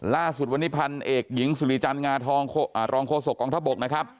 ล่าสุดวันนี้พันเอกหญิงสุริจันทร์งาทองรองโฆษกองทบกนะครับ